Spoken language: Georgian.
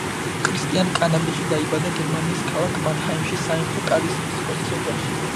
კრისტიან კანაბიხი დაიბადა გერმანიის ქალაქ მანჰაიმში სამეფო კარის მუსიკოსის ოჯახში.